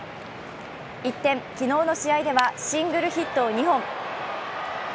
一転、昨日の試合ではシングルヒットを２本。